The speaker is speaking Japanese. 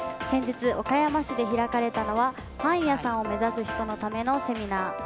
先日、岡山市で開かれたのはパン屋さんを目指す人のためのセミナー。